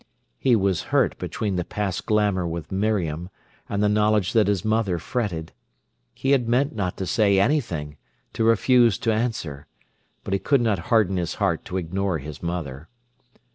He was hurt between the past glamour with Miriam and the knowledge that his mother fretted. He had meant not to say anything, to refuse to answer. But he could not harden his heart to ignore his mother.